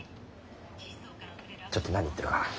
ちょっと何言ってるか。